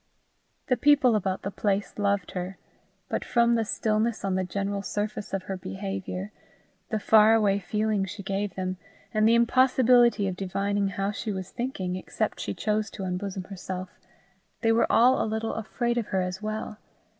The people about the place loved her, but from the stillness on the general surface of her behaviour, the far away feeling she gave them, and the impossibility of divining how she was thinking except she chose to unbosom herself, they were all a little afraid of her as well.